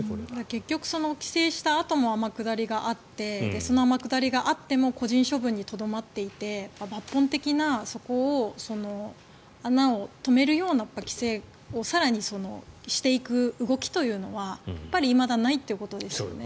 結局、規制したあとも天下りがあってその天下りがあっても個人処分にとどまっていて抜本的な、そこを穴を止めるような規制を更にしていく動きというのはいまだないということですよね。